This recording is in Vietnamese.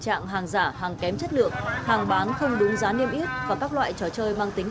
trạng hàng giả hàng kém chất lượng hàng bán không đúng giá niêm yết và các loại trò chơi mang tính